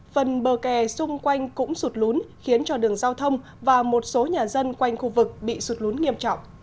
phần bờ kè xung quanh cũng sụt lún khiến cho đường giao thông và một số nhà dân quanh khu vực bị sụt lún nghiêm trọng